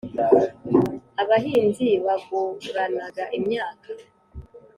abahinzi baguranaga imyaka